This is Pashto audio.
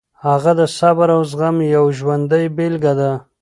هغه د صبر او زغم یوه ژوندۍ بېلګه ده.